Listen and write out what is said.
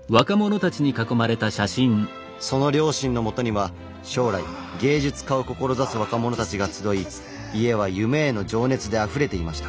その両親のもとには将来芸術家を志す若者たちが集い家は夢への情熱であふれていました。